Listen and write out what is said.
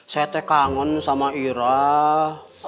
saya teh kangen sama irah